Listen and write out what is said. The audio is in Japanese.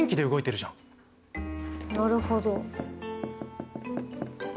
なるほど。